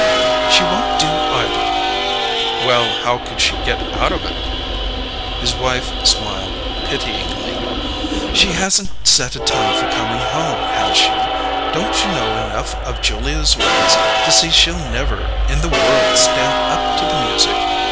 "She won't do either." "Why, how could she get out of it?" His wife smiled pityingly. "She hasn't set a time for coming home, has she? Don't you know enough of Julia's ways to see she'll never in the world stand up to the music?